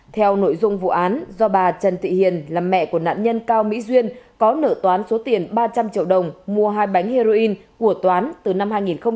theo nội dung vụ án do bà trần thị hiền là mẹ của nạn nhân cao mỹ duyên có nở toán số tiền ba trăm linh triệu đồng mua hai bánh heroin của toán từ năm hai nghìn chín